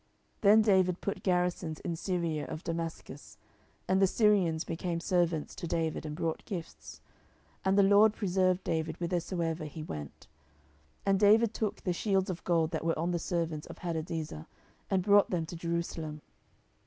10:008:006 Then David put garrisons in Syria of Damascus: and the Syrians became servants to David, and brought gifts. And the LORD preserved David whithersoever he went. 10:008:007 And David took the shields of gold that were on the servants of Hadadezer, and brought them to Jerusalem.